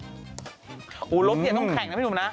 อุโรปอย่าต้องแข่งนะพี่หนุ่มนะ